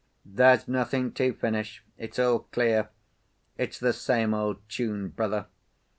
"There's nothing to finish. It's all clear. It's the same old tune, brother.